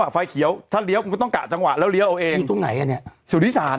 ไฟเขียวถ้าเลี้ยวคุณก็ต้องกะจังหวะแล้วเลี้ยวเอาเองอยู่ตรงไหนอ่ะเนี่ยสุธิศาล